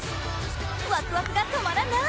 ワクワクが止まらない！